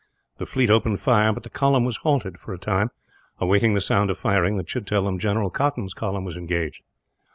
The fleet opened fire; but the column was halted, for a time, awaiting the sound of firing that should tell them General Cotton's column was engaged.